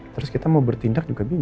terus kita mau bertindak juga bingung